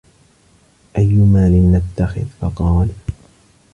أَيُّ مَالٍ نَتَّخِذُ ؟ فَقَالَ